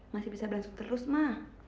masih bisa beransur terus ma